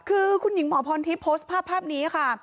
คือคุณหญิงหมอพรคลิปโพสต์ภาพนี้ค่ะ